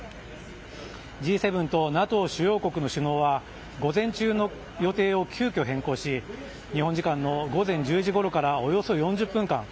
Ｇ７とＮＡＴＯ主要国の首脳は午前中の予定を急きょ変更し日本時間の午前１０時ごろからおよそ４０分間